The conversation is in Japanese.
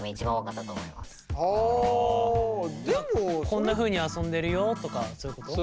こんなふうに遊んでるよとかそういうこと？